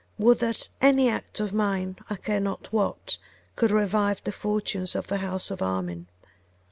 would that any act of mine, I care not what, could revive the fortunes of the house of Armine.